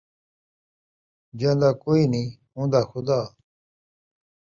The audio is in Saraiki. جین٘دا کوئی نئیں اون٘دا خدا